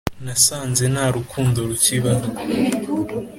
nasanze nta rukundo rukibaho